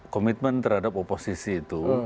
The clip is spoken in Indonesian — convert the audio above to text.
komitmen terhadap oposisi itu